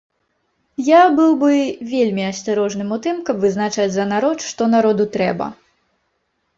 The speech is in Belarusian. Я быў бы вельмі асцярожным ў тым, каб вызначаць за народ, што народу трэба.